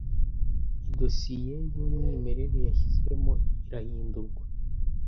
Idosiye yumwimerere yashizwemo irahindurwa